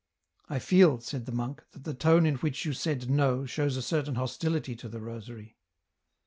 " I feel," said the monk, " that the tone in which you said ' No ' shows a certain hostility to the rosary."